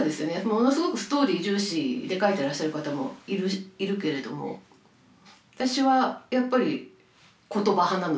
ものすごくストーリー重視で書いてらっしゃる方もいるけれども私はやっぱり言葉派なのでフフッ。